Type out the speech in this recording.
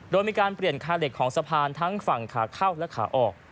โดยมีการเปลี่ยนคาเหล็กของสะพานทั้งฝั่งขาเข้าและขาออก